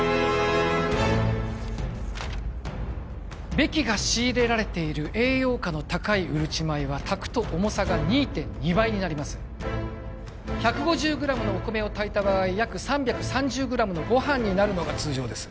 ベキが仕入れられている栄養価の高いうるち米は炊くと重さが２．２倍になります１５０グラムのお米を炊いた場合約３３０グラムのご飯になるのが通常です